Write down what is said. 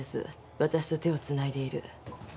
わたしと手をつないでいる。